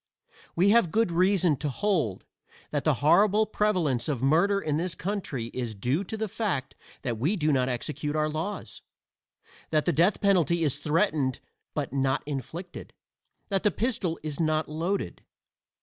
We have good reason to hold that the horrible prevalence of murder in this country is due to the fact that we do not execute our laws that the death penalty is threatened but not inflicted that the pistol is not loaded.